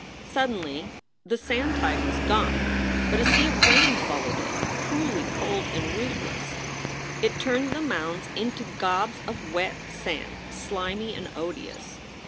Suddenly the sand tide was gone. But a sea of rain followed it, cruelly cold and ruthless. It turned the mounds into gobs of wet sand, slimy and odious.